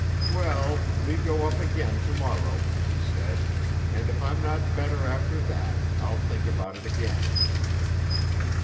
'Well, we go up again to morrow,' he said, 'and if I'm not better after that, I'll think about it again.'